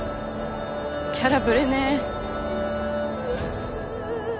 キャラぶれねー。